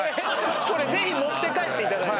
これぜひ持って帰って頂いて。